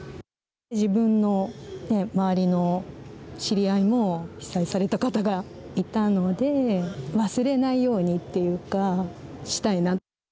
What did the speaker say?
自分の周りの知り合いも被災された方がいたので忘れないようにというかしたいなと。